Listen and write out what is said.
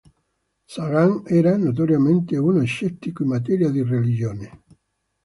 Sagan era notoriamente uno scettico in materia di religione.